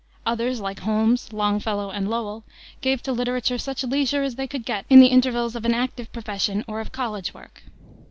Others, like Holmes, Longfellow, and Lowell, gave to literature such leisure as they could get in the intervals of an active profession or of college work.